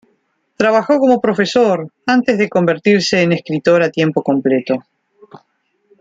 Trabajó como profesor antes de convertirse en escritor a tiempo completo.